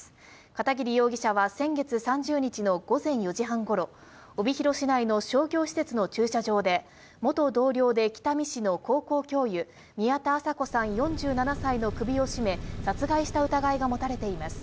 片桐容疑者は先月３０日の午前４時半頃、帯広市内の商業施設の駐車場で、元同僚で北見市の高校教諭・宮田麻子さん４７歳の首を絞め殺害した疑いがもたれています。